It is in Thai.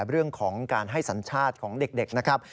เรื่องของการให้สัญชาติของเด็กนะครับ